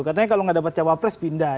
katanya kalau nggak dapat cawapres pindah